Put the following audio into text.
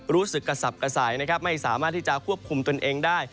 รู้สึกกระสับกระสายนะครับไม่สามารถที่จะควบคุมตนเองได้